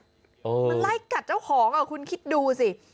มันไล่กัดเจ้าของคุณคิดดูสิ